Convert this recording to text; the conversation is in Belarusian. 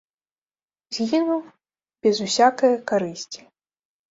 Згіну без усякае карысці.